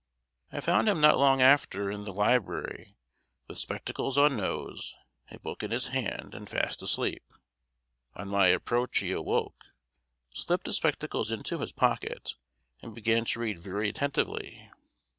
I found him not long after in the library with spectacles on nose, a book in his hand, and fast asleep. On my approach he awoke, slipped the spectacles into his pocket, and began to read very attentively.